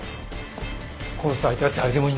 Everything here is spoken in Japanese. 殺す相手は誰でもいいんだ。